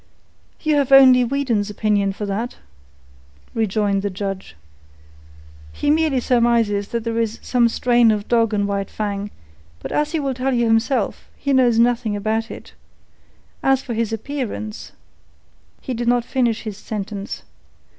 "You have only Weedon's opinion for that," rejoined the judge. "He merely surmises that there is some strain of dog in White Fang; but as he will tell you himself, he knows nothing about it. As for his appearance—" He did not finish his sentence.